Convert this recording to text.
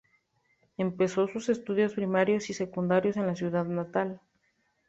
Empezó sus estudios primarios y secundarios en su ciudad natal.